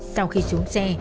sau khi xuống xe